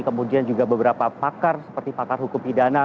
kemudian juga beberapa pakar seperti pakar hukum pidana